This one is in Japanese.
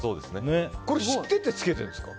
これ知っててつけてるんですか？